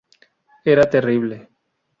Era terrible.